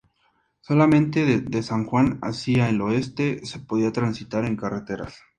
Solamente de San Juan hacia el oeste se podía transitar en carretas.